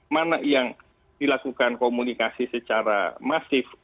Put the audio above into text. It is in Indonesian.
mana yang dilakukan komunikasi secara masif